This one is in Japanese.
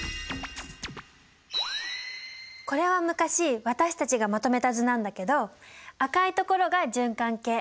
これは昔私たちがまとめた図なんだけど赤い所が循環系。